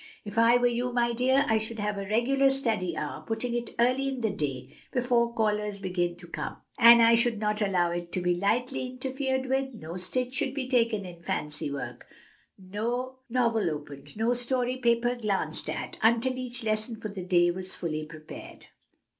If I were you, my dear, I should have a regular study hour, putting it early in the day, before callers begin to come, and I should not allow it to be lightly interfered with; no stitch should be taken in fancy work, no novel opened, no story paper glanced at, until each lesson for the day was fully prepared."